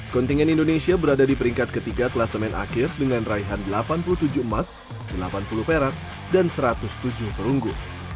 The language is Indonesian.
kontingen indonesia berada di peringkat ketiga kelasemen akhir dengan raihan delapan puluh tujuh emas delapan puluh perak dan satu ratus tujuh perunggu